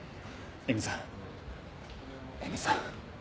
絵美さん絵美さん。